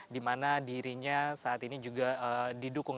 di mana dirinya saat ini juga didukung